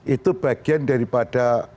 itu bagian daripada